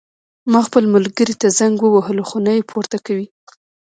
ما خپل ملګري ته زنګ ووهلو خو نه یې پورته کوی